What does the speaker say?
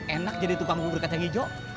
enak jadi tukang bubur kacang hijau